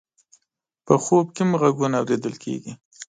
په خوب کې هم غږونه اورېدل کېږي.